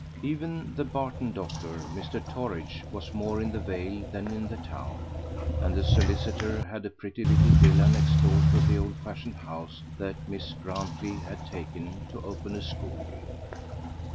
Even the Barton doctor, Mr. Torridge, was more in the vale than in the town; and the solicitor had a pretty little villa next door to the old fashioned house that Miss Grantley had taken to open a school in.